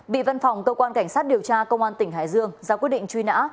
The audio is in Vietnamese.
bị văn phòng cơ quan cảnh sát điều tra công an tỉnh hải dương ra quyết định truy nã